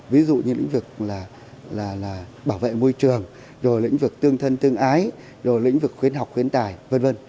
ví dụ như lĩnh vực bảo vệ môi trường lĩnh vực tương thân tương ái lĩnh vực khuyến học khuyến tài v v